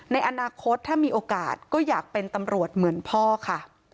ในอนาคตถ้ามีโอกาสก็อยากเป็นตำรวจเหมือนพ่อค่ะ